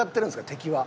敵は。